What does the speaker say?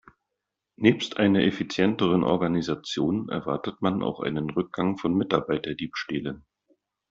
Nebst einer effizienteren Organisation erwartet man auch einen Rückgang von Mitarbeiterdiebstählen.